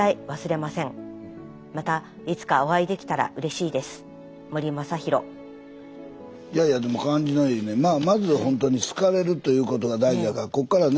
いやいやでも感じのいいねまあまずほんとに好かれるということが大事やからこっからね